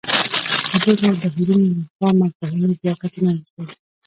د دغو بهیرونو له خوا مفاهیمو بیا کتنه وشي.